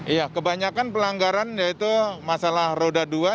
iya kebanyakan pelanggaran yaitu masalah roda dua